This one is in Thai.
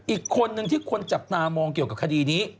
อีกคนนึงที่คนจับตามองเกี่ยวกับคดีนี้